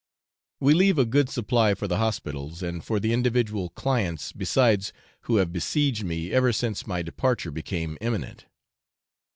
We leave a good supply for the hospitals, and for the individual clients besides who have besieged me ever since my departure became imminent.